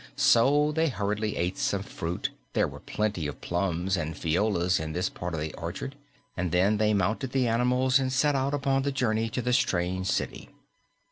So they hurriedly ate some fruit there were plenty of plums and fijoas in this part of the orchard and then they mounted the animals and set out upon the journey to the strange city.